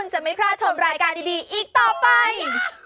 จะหยับคุณแน่